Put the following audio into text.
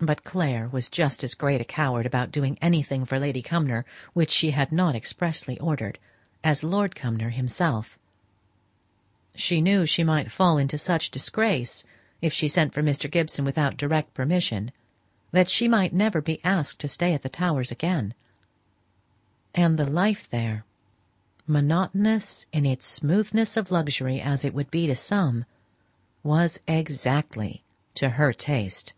But Clare was just as great a coward about doing anything for Lady Cumnor which she had not expressly ordered, as Lord Cumnor himself. She knew she might fall into such disgrace if she sent for Mr. Gibson without direct permission, that she might never be asked to stay at the Towers again; and the life there, monotonous in its smoothness of luxury as it might be to some, was exactly to her taste.